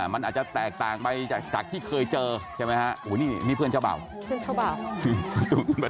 มันอาจจะแตกต่างไปจากที่เคยเจอใช่ไหมฮะนี่เพื่อนเจ้าเบ่าเพื่อนเจ้าบ่าว